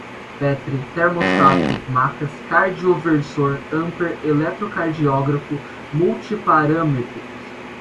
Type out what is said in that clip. petri, termostato, macas, cardioversor, hamper, eletrocardiógrafo, multiparâmetricos